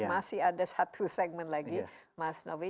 masih ada satu segmen lagi mas novi